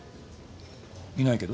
いないけど？